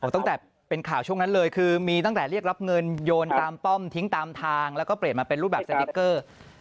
ตั้งแต่เป็นข่าวช่วงนั้นเลยคือมีตั้งแต่เรียกรับเงินโยนตามป้อมทิ้งตามทางแล้วก็เปลี่ยนมาเป็นรูปแบบสติ๊กเกอร์